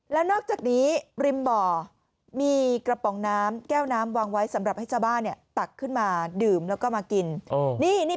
แล้วนอกจากนี้ริมบ่อมีกระป๋องน้ำแก้วน้ำวางไว้สำหรับให้ชาวบ้านเนี่ย